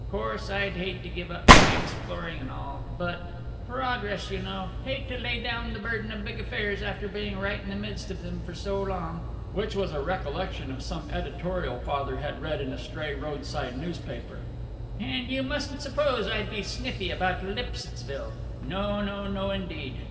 'Course I'd hate to give up my exploring and all, but Progress, you know; hate to lay down the burden of big affairs after being right in the midst of them for so long." Which was a recollection of some editorial Father had read in a stray roadside newspaper. "And you mustn't suppose I'd be sniffy about Lipsittsville. No, no; no, indeed.